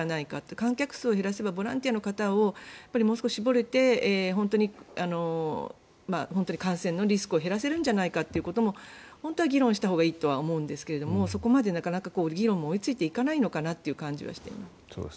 観客数を減らせばボランティアの方もう少し絞れて本当に感染のリスクを減らせるんじゃないかということも本当は議論したほうがいいとは思うんですけれどもそこまで、なかなか議論も追いついていかないのかなという感じもしています。